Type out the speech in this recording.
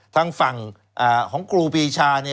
ทางฝั่งของครูปีชาเนี่ย